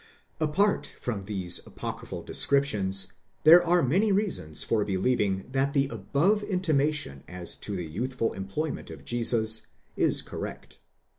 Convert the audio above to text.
Apart from these apocryphal descriptions, there are many reasons for believing that the above intimation as to the youthful employment of Jesus is correct.